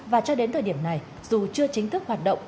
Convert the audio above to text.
và cho đến thời điểm này dù chưa chính thức hoạt động